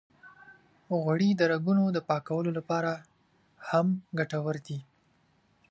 غوړې د رګونو د پاکولو لپاره هم ګټورې دي.